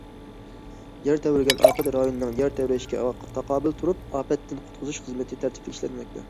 يەر تەۋرىگەن ئاپەت رايونىنىڭ يەر تەۋرەشكە تاقابىل تۇرۇپ ئاپەتتىن قۇتقۇزۇش خىزمىتى تەرتىپلىك ئىشلەنمەكتە.